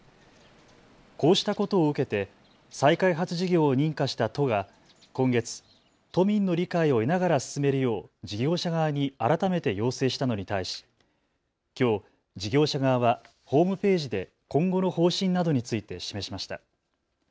こうしたことを受けて再開発事業を認可した都が今月、都民の理解を得ながら進めるよう事業者側に改めて要請したのに対し、きょう事業者側はホームページで今後の方針などについて示しました。